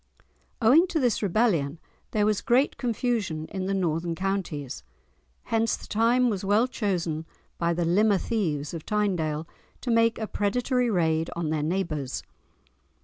Owing to this rebellion there was great confusion in the northern counties, hence the time was well chosen by the "limmer thieves" of Tynedale to make a predatory raid on their neighbours.